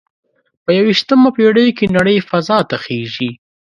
په یوویشتمه پیړۍ کې نړۍ فضا ته خیږي